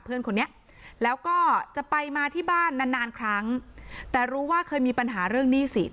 เพื่อนคนนี้แล้วก็จะไปมาที่บ้านนานนานครั้งแต่รู้ว่าเคยมีปัญหาเรื่องหนี้สิน